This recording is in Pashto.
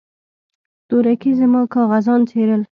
تورکي زما کاغذان څيرل.